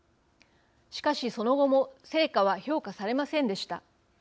しかしその後も成果は評価されませんでした。